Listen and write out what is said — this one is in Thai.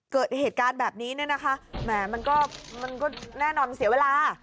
เกิดเหตุการณ์แบบนี้ก็แน่นอนเสียเวลา